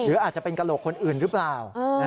อาจจะเป็นกระโหลกคนอื่นหรือเปล่า